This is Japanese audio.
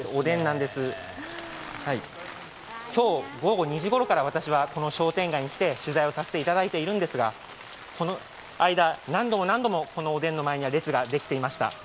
今日午後２時ごろから私はこの商店街に来て取材をさせていただいているんですが、この間、何度も何度もこのおでんの前には列ができていました。